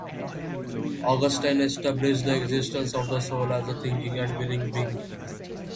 Augustine established the existence of the soul as a thinking and willing being.